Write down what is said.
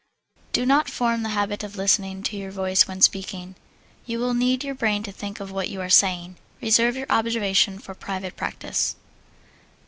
Do not form the habit of listening to your voice when speaking. You will need your brain to think of what you are saying reserve your observation for private practise.